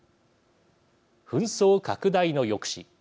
紛争拡大の抑止。